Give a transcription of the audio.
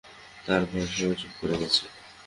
তার ভয়ে সবাই চুপ করে গেছে।